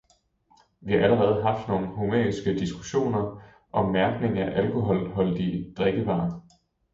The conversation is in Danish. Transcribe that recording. Vi har allerede haft nogle homeriske diskussioner om mærkning af alkoholholdige drikkevarer.